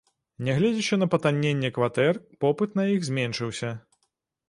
Нягледзячы на патанненне кватэр, попыт на іх зменшыўся.